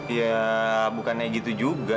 ya bukannya gitu juga